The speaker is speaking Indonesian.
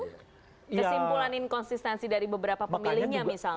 kesimpulan inkonsistensi dari beberapa pemiliknya misalnya